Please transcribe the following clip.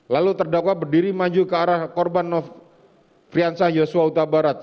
lalu terdakwa berdiri maju ke arah korban nofriansah yosua utabarat